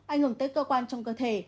ảnh hưởng tới cơ quan trong cơ thể